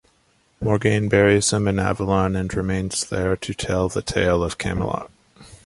Morgaine buries him in Avalon and remains there to tell the tale of Camelot.